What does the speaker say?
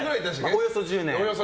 おおよそ１０年。